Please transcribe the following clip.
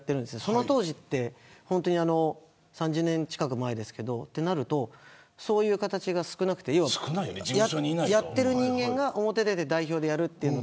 その当時って３０年近く前ですけどそういう形が少なくてやってる人間が表に出て代表でやる。